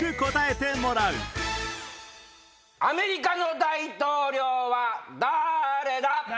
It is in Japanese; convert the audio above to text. アメリカの大統領はだれだ？